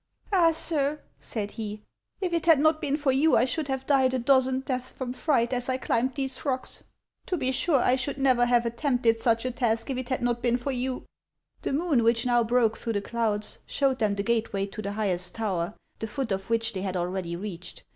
"Ah, sir," said he, " if it had not been for you I should have died a dozen deaths from fright as I climbed these rocks. To be sure, I should never have attempted such a task if it had not been for you." HANS OF ICELAND. 243 The moon, which now broke through the clouds, showed them the gateway to the highest tower, the foot of which they had already reached.